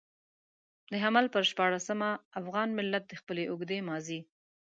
د حمل پر شپاړلسمه افغان ملت د خپلې اوږدې ماضي.